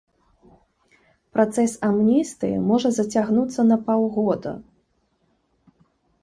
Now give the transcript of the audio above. Працэс амністыі можа зацягнуцца на паўгода.